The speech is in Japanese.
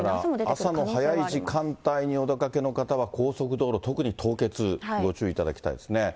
朝の早い時間帯にお出かけの方は高速道路、特に凍結、ご注意いただきたいですね。